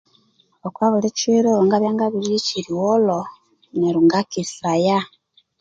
Okobuli kiro ngabya ngabirirya ekyirigholho neryo ngakesaya